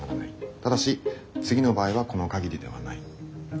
ただし次の場合はこの限りではない。